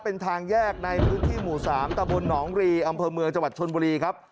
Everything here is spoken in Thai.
เป็นทางแยกในพื้นที่หมู่๓ตะบนหนองรีอำเภอเมืองจังหวัดชนบุรีครับ